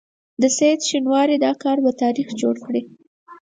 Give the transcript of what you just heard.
د سعید شینواري دا کار به تاریخ جوړ کړي.